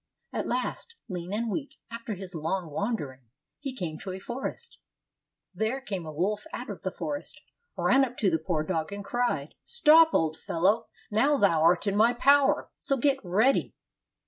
At last, lean and weak after his long wandering, he came to a forest. There came a wolf out of the forest, ran up to the poor dog, and cried, "Stop, old fellow, now thou art in my power, so get ready."